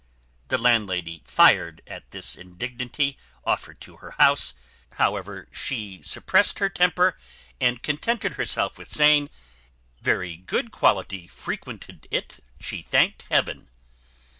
The landlady fired at this indignity offered to her house; however, she suppressed her temper, and contented herself with saying, "Very good quality frequented it, she thanked heaven!"